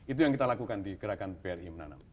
itu yang kita lakukan di gerakan bri menanam